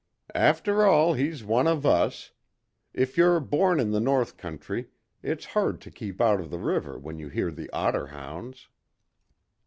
"After all, he's one of us. If you're born in the North Country, it's hard to keep out of the river when you hear the otter hounds."